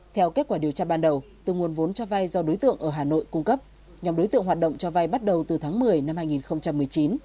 theo kết quả điều tra ban đầu từ nguồn vốn cho vai do đối tượng ở hà nội cung cấp nhóm đối tượng hoạt động cho vay bắt đầu từ tháng một mươi năm hai nghìn một mươi chín